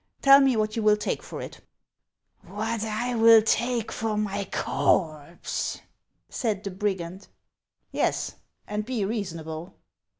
Tell me what you will take for it ?"" What I will take for my corpse ?" said the brigand. " Yes, and be reasonable."